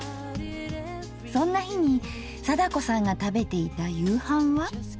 そんな日に貞子さんが食べていた夕飯は？